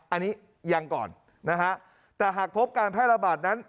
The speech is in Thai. อันนี้ยังก่อนนะฮะแต่หากพบการแพร่ระบาดนั้น